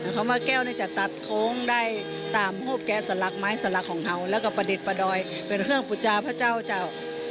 เขาว่าแก้วจะตัดโค้งได้ตามพวกแกสลักไม้สลักของเขาแล้วก็ประดิษฐ์ประดอยเป็นเครื่องปุจจาพระเจ้าเจ้า